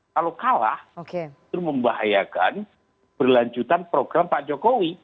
kalau kalah itu membahayakan berlanjutan program pak jokowi